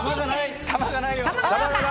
玉がないよ。